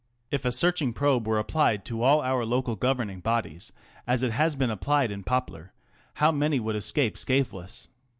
If a searching probe were applied to all our local govern ing bodies, as it has been applied in Poplar, how many would escape scatheless